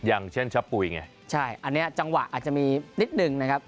อย่างเช่นชะปุ๋ยไงใช่อันนี้จังหวะอาจจะมีนิดนึงนะครับ